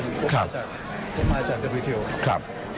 ผมมาจากผมมาจากเตอร์วิเทียล